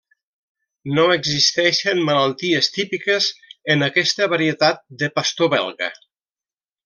No existeixen malalties típiques en aquesta varietat de pastor belga.